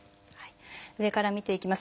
上から見ていきます。